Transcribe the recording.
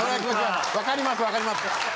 分かります分かります。